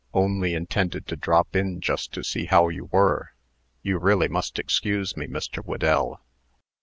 Only intended to drop in just to see how you were. You really must excuse me, Mr. Whedell."